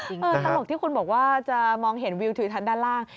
ตลกที่คุณบอกว่าจะมองเห็นวิวทิวทัศน์ด้านล่าง